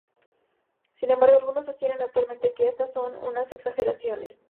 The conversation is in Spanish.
Sin embargo, algunos sostienen actualmente que estas son una exageraciones.